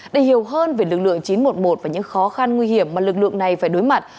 để hiểu hơn về lực lượng chín trăm một mươi một và những khó khăn nguy hiểm mà lực lượng này phải đối mặt